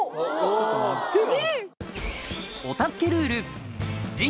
ちょっと待ってよ。